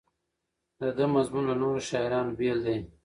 د ده مضمون له نورو شاعرانو بېل دی.